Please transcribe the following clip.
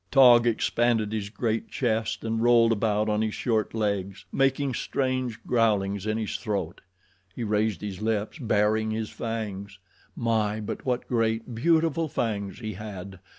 Taug expanded his great chest and rolled about on his short legs, making strange growlings in his throat. He raised his lips, baring his fangs. My, but what great, beautiful fangs he had!